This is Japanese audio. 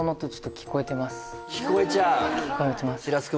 聞こえてます